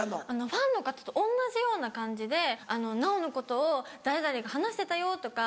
ファンの方と同じような感じで「奈於のことを誰々が話してたよ」とか。